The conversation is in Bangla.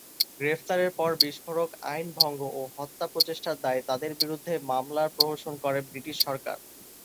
গ্রেপ্তারের পর বিস্ফোরক আইন ভঙ্গ ও হত্যা প্রচেষ্টার দায়ে তাদের বিরুদ্ধে মামলার প্রহসন করে ব্রিটিশ সরকার।